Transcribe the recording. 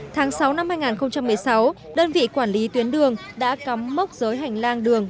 tháng sáu năm hai nghìn một mươi sáu đơn vị quản lý tuyến đường đã cắm mốc giới hành lang đường